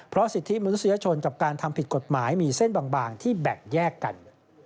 สิทธิมนุษยชนกับการทำผิดกฎหมายมีเส้นบางที่แบ่งแยกกัน